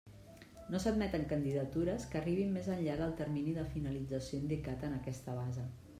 No s'admeten candidatures que arribin més enllà del termini de finalització indicat en aquesta base.